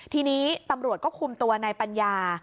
ทีนี้ตำรวจก็คุมตัวนายปัญญา